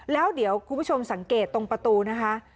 แล้วเดี๋ยวคุณผู้ชมสังเกตตรงประตูนะคะ